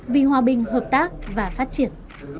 vì hòa bình hợp tác và phát triển